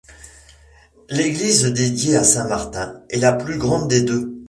L'église dédiée à saint Martin est la plus grande des deux.